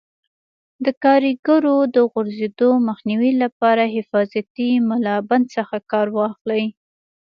د کاریګرو د غورځېدو مخنیوي لپاره حفاظتي ملابند څخه کار واخلئ.